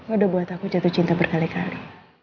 udah buat aku jatuh cinta berkali kali